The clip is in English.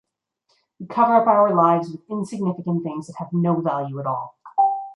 We cover up our lives with insignificant things that have no value at all.